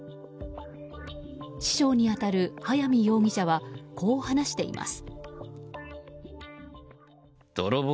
師匠に当たる早見容疑者はこう話しています。